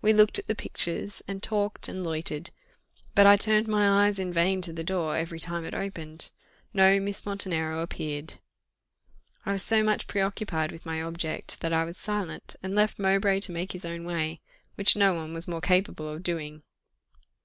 We looked at the pictures, and talked, and loitered, but I turned my eyes in vain to the door every time it opened no Miss Montenero appeared. I was so much preoccupied with my object that I was silent, and left Mowbray to make his own way, which no one was more capable of doing.